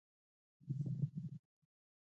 بزګرو به کسبګرو ته لازم مواد ورکول.